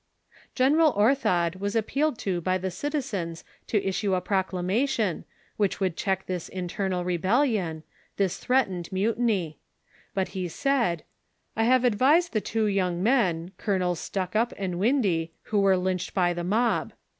General Orthod was appealed to by the citizens to issue a proclamation, which would check this internal rebellion, this threatened mutiny : but he said :" I have advised the two young men — Colonels Stuckup and "Windy — who were lynched by the mob.